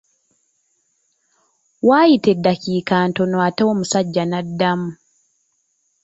Waayita eddakiika ntono ate omusajja n’addamu.